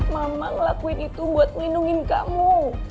mama ngelakuin itu buat nginungin kamu